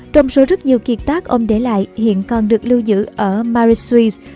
trong số rất nhiều kiệt tác ông để lại hiện còn được lưu giữ ở marie suisse